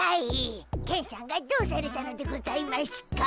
ケンしゃんがどうされたのでございましゅか？